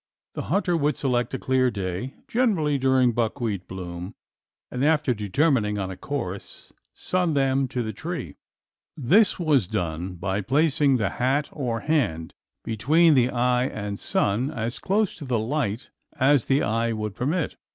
The hunter would select a clear day, generally during buckwheat bloom, and after determining on a course, sun them to the tree. This was done by placing the hat or hand between the eye and sun as close to the light as the eye would permit.